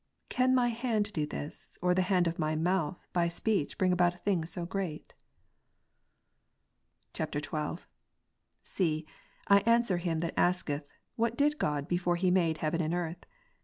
Can my hand do this, or the hand of my mouth by speech bring about a thing so great ? [XIL] 14. See, I answer him that asketh, " What did God before He made heaven and earth